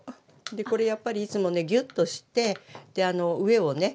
これやっぱりいつもねぎゅっとしてで上をね